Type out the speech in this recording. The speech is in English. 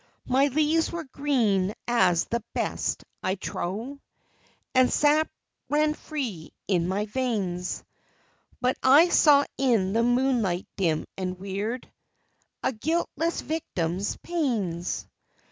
My leaves were green as the best, I trow, And sap ran free in my veins, But I saw in the moonlight dim and weird A guiltless victim's pains.